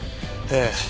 ええ。